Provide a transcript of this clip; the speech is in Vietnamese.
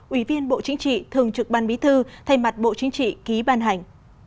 ủy viên bộ chính trị thường trực ban bí thư thay mặt bộ chính trị ký ban hành